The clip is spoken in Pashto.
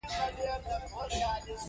روح به مې وږم او نګهت،